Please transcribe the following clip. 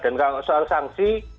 dan soal sanksi